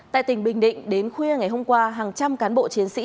tại tỉnh bình định đến khuya ngày hôm qua hàng trăm cán bộ chiến sĩ